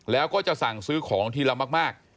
แล้วก็จะสั่งซื้อของทีละมาก